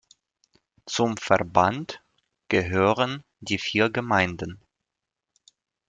Zum Verband gehören die vier Gemeinden